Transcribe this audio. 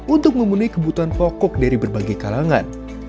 untuk memenuhi kebutuhan pokok dari berbagai kalangan